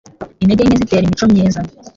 Intege nke zitera imico myiza